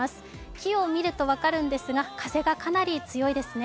木を見ると分かるんですが風がかなり強いですね。